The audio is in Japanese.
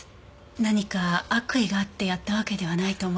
何か悪意があってやったわけではないと思います。